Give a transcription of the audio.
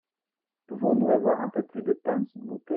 Pouvons-nous avoir un peu plus de pain s'il vous plait ?